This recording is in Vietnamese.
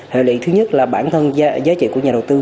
hợi lị thứ nhất là bản thân giá trị của nhà đầu tư